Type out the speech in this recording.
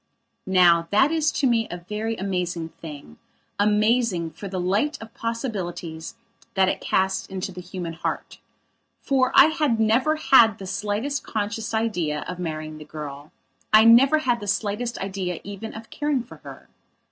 Now that is to me a very amazing thingamazing for the light of possibilities that it casts into the human heart. For I had never had the slightest conscious idea of marrying the girl; I never had the slightest idea even of caring for her.